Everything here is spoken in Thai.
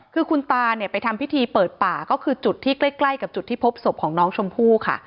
คือคุณตาเนี่ยไปทำพิธีเปิดป่าก็คือจุดที่ใกล้กับจุดที่พบศพของน้องชมพู่ค่ะ